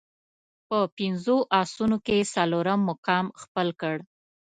په پنځو اسونو کې یې څلورم مقام خپل کړ.